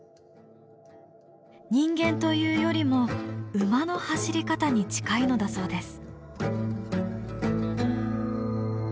人間というよりも馬の走り方に近いのだそうです。